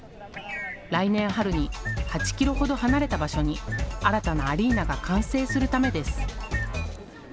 来年春に８キロほど離れた場所に新たなアリーナが完成するためです。